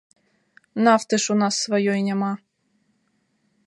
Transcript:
Нафты ж у нас сваёй няма.